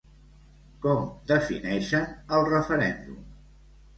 Com defineixen el referèndum?